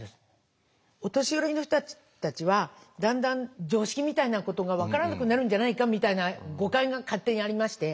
お年寄りの人たちはだんだん常識みたいなことが分からなくなるんじゃないかみたいな誤解が勝手にありまして。